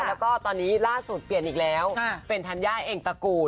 แล้วก็ตอนนี้ล่าสุดเปลี่ยนอีกแล้วเป็นธัญญาเองตระกูล